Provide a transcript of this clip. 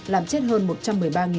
làm chết hơn một trăm linh người